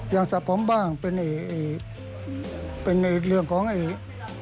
อย่างสะพ้อมบ้างเป็นเอกเป็นเอกเรื่องของเอก